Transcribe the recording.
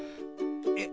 えっ